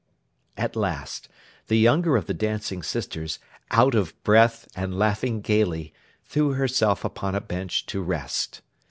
At last, the younger of the dancing sisters, out of breath, and laughing gaily, threw herself upon a bench to rest.